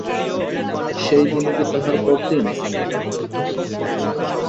সেই দিনই, কি তাহার পরদিন।